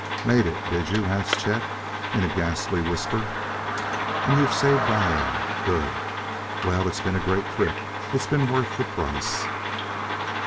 "Made it, did you?" asked Chet in a ghastly whisper. "And you've saved Diane?... Good!... Well, it's been a great trip.... It's been worth the price...."